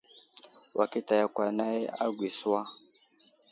Wakita yakw anay agwi suwa.